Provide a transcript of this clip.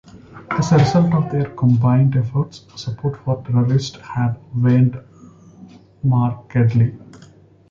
As a result of their combined efforts, support for terrorists had waned markedly.